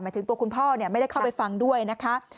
ถึงตัวคุณพ่อไม่ได้เข้าไปฟังด้วยนะคะ